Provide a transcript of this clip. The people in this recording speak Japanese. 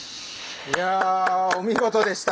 いやお見事でした！